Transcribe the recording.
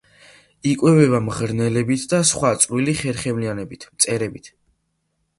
იკვებება მღრღნელებითა და სხვა წვრილი ხერხემლიანებით, მწერებით.